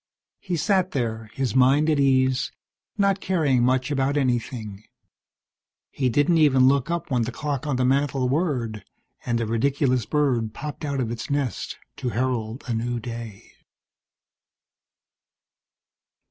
He sat there, his mind at ease, not caring much about anything. He didn't even look up when the clock on the mantel whirred, and the ridiculous bird popped out of its nest to herald a new day.